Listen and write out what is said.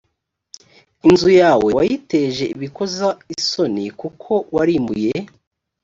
inzu yawe wayiteje ibikoza isoni kuko warimbuye